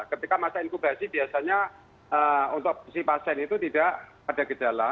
ketika masa inkubasi biasanya untuk si pasien itu tidak ada gejala